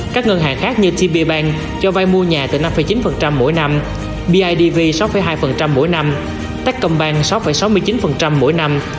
các ngân hàng khác như tb bank cho vay mua nhà từ năm chín mỗi năm bidv sáu hai mỗi năm techcom bank sáu sáu mươi chín mỗi năm